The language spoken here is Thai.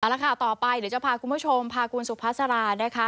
เอาละค่ะต่อไปเดี๋ยวจะพาคุณผู้ชมพาคุณสุภาษารานะคะ